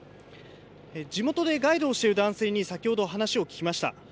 地元でガイドをしている男性に先ほど話を聞きました。